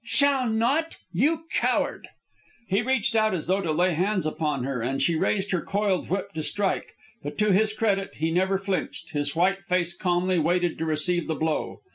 "Shall not? You coward!" He reached out as though to lay hands upon her, and she raised her coiled whip to strike. But to his credit he never flinched; his white face calmly waited to receive the blow.